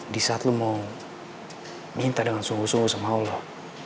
di saat lo mau minta dengan sungguh sungguh sama allah